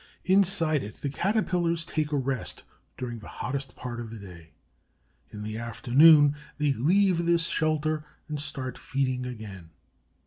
Inside it the Caterpillars take a rest during the hottest part of the day. In the afternoon they leave this shelter and start feeding again.